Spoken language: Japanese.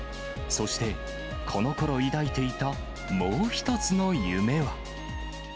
そしてこのころ抱いていたもう一つの夢は。